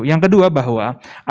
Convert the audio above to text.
yang kedua bahwa